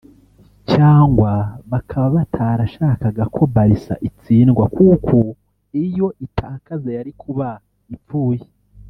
cyangwa bakaba batarashakaga ko Barca itsindwa kuko iyo itakaza yari kuba ipfuye